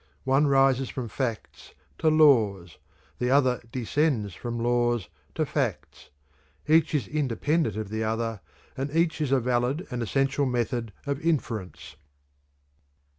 One rises from facts to laws; the other descends from laws to facts. Each is independent of the other, and each is a valid and essential method of inference."